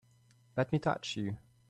Let me touch you!